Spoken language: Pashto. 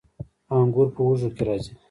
انګور په وږو کې راځي